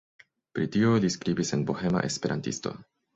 Pri tio li skribis en "Bohema Esperantisto".